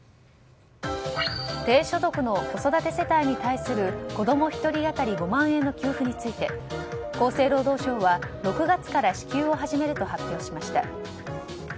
低所得の子育て世帯に対する子供１人当たり５万円の給付について厚生労働省は６月から支給を始めると発表しました。